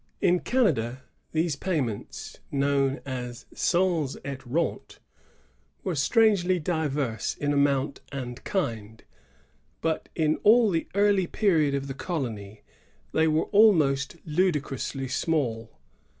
In Canada these payments, known as cens et rente^ were strangely diverse in amount and kind; but in all the early period of the colony they were almost ludicrously small.